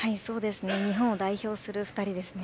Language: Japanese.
日本を代表する２人ですね。